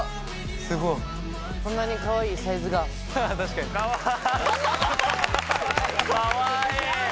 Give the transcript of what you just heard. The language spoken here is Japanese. ・すごい・・こんなにかわいいサイズが・かわいい。